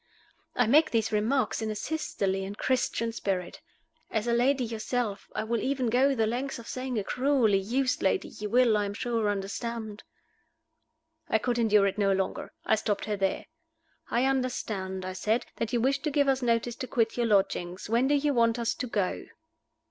I make these remarks in a sisterly and Christian spirit. As a lady yourself I will even go the length of saying a cruelly used lady you will, I am sure, understand " I could endure it no longer. I stopped her there. "I understand," I said, "that you wish to give us notice to quit your lodgings. When do you want us to go?"